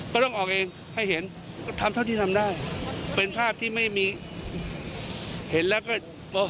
ก็ต้องออกเองให้เห็นทำเท่าที่ทำได้เป็นภาพที่ไม่มีเห็นแล้วก็บอก